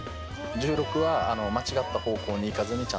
１６は間違った方向に行かずにちゃんと正しい所に行ける。